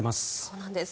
そうなんです。